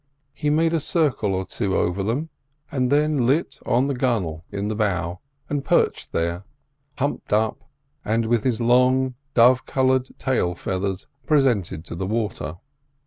He made a circle or two over them, and then lit on the gunwale in the bow, and perched there, humped up, and with his long dove coloured tail feathers presented to the water.